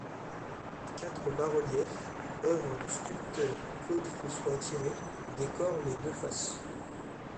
Quatre bas-reliefs, œuvre du sculpteur Claude-François Attiret, décorent les deux faces.